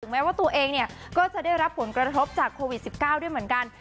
แม้ว่าตัวเองเนี่ยก็จะได้รับผลกระทบจากโควิด๑๙ด้วยเหมือนกัน